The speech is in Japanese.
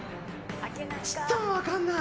ちっとも分からない。